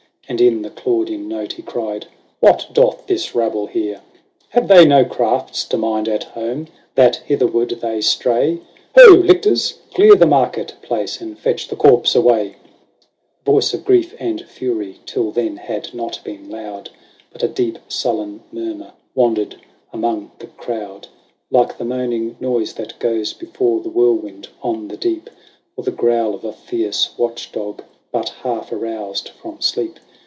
And in the Claudian note he cried, " What doth this rabble here ? Have they no crafts to mind at home, that hitherward they stray ? Ho ! lictors, clear the market place, and fetch the corpse away !" The voice of grief and fury till then had not been loud ; But a deep sullen murmur wandered among the crowd. Like the moaning noise that goes before the whirlwind on the deep. Or the growl of a fierce watch dog but half aroused from sleep.